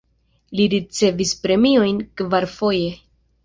Li ricevis premiojn kvarfoje.